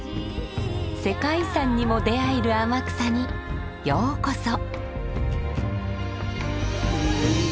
世界遺産にも出会える天草にようこそ！